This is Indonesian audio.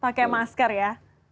pakai masker ya